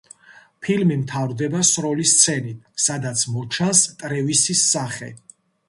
ფილმი მთავრდება სროლის სცენით, სადაც მოჩანს ტრევისის სახე.